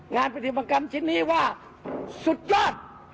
งานปฏิบัติกรรมชิ้นนี้ว่าสุดยอด